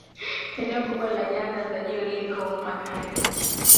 Eneo kubwa la nyanda za juu liko mpakani